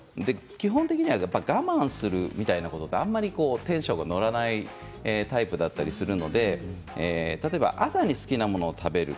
基本的には我慢するみたいなことはあまりテンションがのらないタイプだったりするので例えば朝に好きなものを食べる。